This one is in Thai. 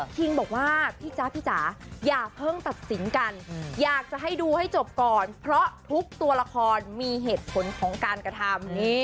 คิงบอกว่าพี่จ๊ะพี่จ๋าอย่าเพิ่งตัดสินกันอยากจะให้ดูให้จบก่อนเพราะทุกตัวละครมีเหตุผลของการกระทำ